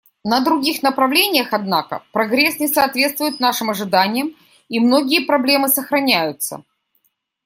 На других направлениях, однако, прогресс не соответствует нашим ожиданиям, и многие проблемы сохраняются.